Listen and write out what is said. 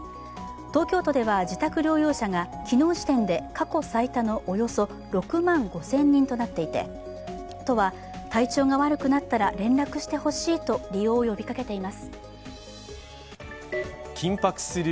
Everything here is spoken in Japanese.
東京都では自宅療養者が昨日時点で過去最多のおよそ６万５０００人となっていて都は、体調が悪くなったら連絡してほしいと利用を呼びかけています。